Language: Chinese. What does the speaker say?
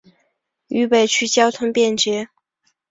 渝北区交通便捷。